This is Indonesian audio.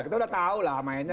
kita udah tahu lah mainnya